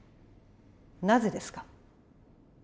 なぜですか？